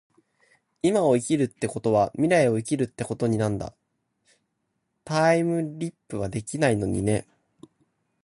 今を生きるってことは未来を生きているってことなんだ。タァイムリィプはできないのにね